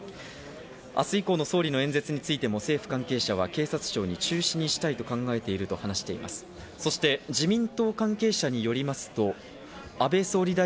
明日以降の総理の演説についても政府関係者は警察署に中止にしたいと考えていると話しています。